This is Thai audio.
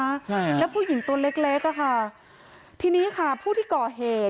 ใช่แล้วผู้หญิงตัวเล็กเล็กอ่ะค่ะทีนี้ค่ะผู้ที่ก่อเหตุ